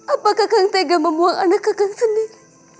apakah kakak tega memuang anak kakak sendiri